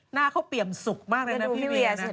หน้าเขาเปี่ยมสุขมากเลยนะพี่เวียนะ